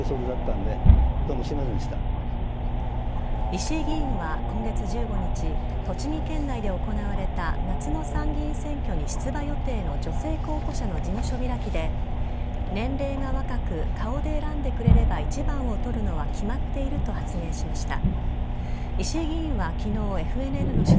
石井議員は、今月１５日栃木県内で行われた夏の参議院選挙に出馬予定の女性候補者の事務所開きで年齢が若く、顔で選んでくれれば一番を取るのは決まっていると発言しました。